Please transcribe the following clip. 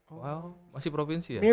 oh masih provinsi ya